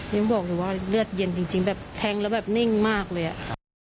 ยังบอกเลยว่าเลือดเย็นจริงแบบแทงแล้วแบบนิ่งมากเลยอ่ะ